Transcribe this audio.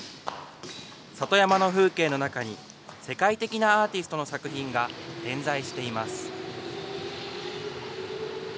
里山の風景の中に、世界的なアーティストの作品が点在しています。